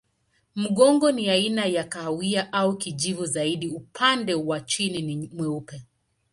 Mgongo ni aina ya kahawia au kijivu zaidi, upande wa chini ni mweupe.